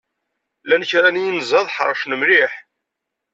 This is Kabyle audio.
Llan kra n yinzaḍ ḥeṛcen mliḥ.